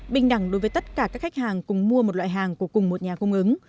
bình đẳng đối với tất cả các khách hàng cùng mua một loại hàng của cùng một nhà cung ứng